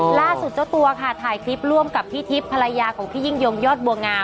เจ้าตัวค่ะถ่ายคลิปร่วมกับพี่ทิพย์ภรรยาของพี่ยิ่งยงยอดบัวงาม